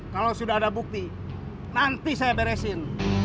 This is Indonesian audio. kalau sudah ada bukti nanti saya beresin